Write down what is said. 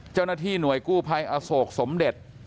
เจ้าหน้าที่หน่วยกู้ภัยอโศกสมเด็จ